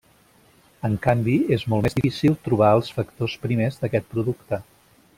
En canvi, és molt més difícil trobar els factors primers d'aquest producte.